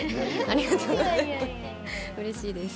ありがとうございます。